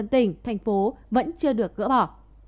tỉnh thành phố vẫn chưa được gỡ bỏ